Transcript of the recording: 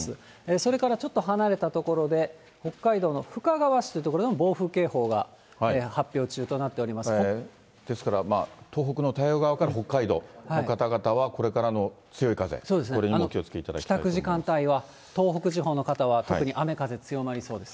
それからちょっと離れた所で、北海道のふかがわ市という所でも暴風警報が発表中となっておりまですから、東北の太平洋側から北海道の方々は、これからの強い風、これにお気をつけいただき帰宅時間帯は、東北地方の方は特に雨風強まりそうです。